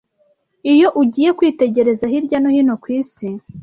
Iyo ugiye kwitegereza hirya no hino ku isi,